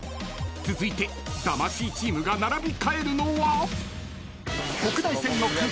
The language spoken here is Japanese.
［続いて魂チームが並び替えるのは］